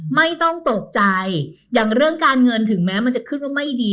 ไม่ต้องตกใจอย่างการเงินถึงมันขึ้นว่าไม่ดี